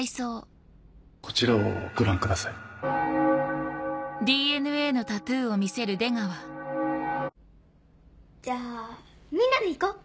こちらをご覧くださいじゃあみんなで行こう！